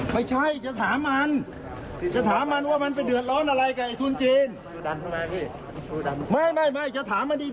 พูดให้กูได้ยินหน่อยว่าใส่กระโปรงมาหรือเปล่าวันนี้